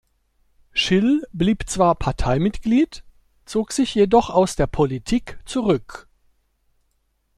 Schill blieb zwar Parteimitglied, zog sich jedoch aus der Politik zurück.